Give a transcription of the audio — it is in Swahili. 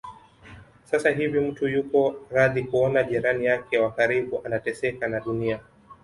Sasa hivi mtu yuko radhi kuona jirani yake wa karibu anateseka na Dunia